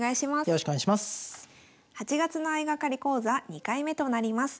８月の相掛かり講座２回目となります。